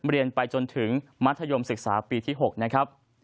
เรียนไปจนถึงมัธยมศึกษาปีที่๖นะครับ